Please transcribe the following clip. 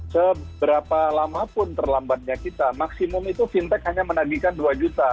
seberapa lama pun terlambatnya kita maksimum itu fintech hanya menagihkan dua juta